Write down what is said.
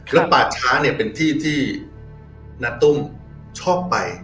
แล้วป่าช้าเนี่ยเป็นที่ที่ณตุ้มชอบไป